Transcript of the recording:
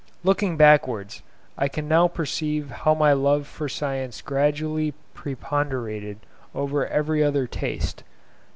Looking backwards, I can now perceive how my love for science gradually preponderated over every other taste.